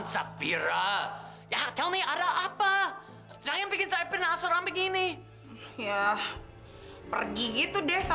saya mau bicara sama lora